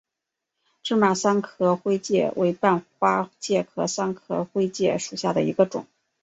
芝麻三壳灰介为半花介科三壳灰介属下的一个种。